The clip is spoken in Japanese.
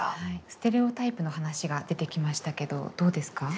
ステレオタイプの話が出てきましたけどどうですか？